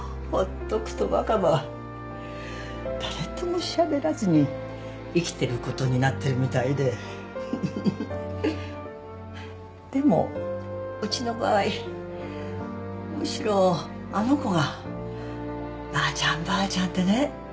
とくと若葉は誰ともしゃべらずに生きてることになってるみたいでふふふっでもうちの場合むしろあの子が「ばあちゃんばあちゃん」ってね